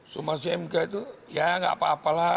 somasi mk itu ya gak apa apalah